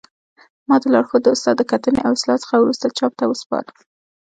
ما د لارښود استاد د کتنې او اصلاح څخه وروسته چاپ ته وسپاره